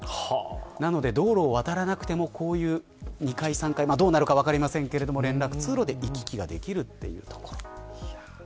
なので、道路を渡らなくても２階３階がどうなるか分かりませんけれども連絡通路で行き来ができるというところ。